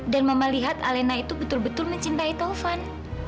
dan mama lihat alena itu betul betul mencintai taufan